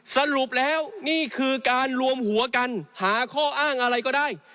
สรุปแล้วนี่คือการรวมหัวกันหาข้ออ้างอะไรก็ได้